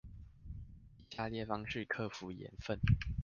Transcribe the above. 以下列方式克服鹽分